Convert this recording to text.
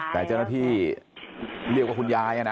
แต่เจ้านพี่เลี่ยวกับคุณยายอ่ะนะ